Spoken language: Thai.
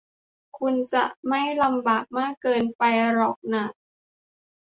คุณจะไม่ลำบากมากเกินไปหรอกน่า